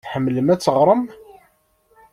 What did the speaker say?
Tḥemmlem ad teɣrem?